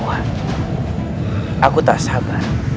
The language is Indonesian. aku tak sabar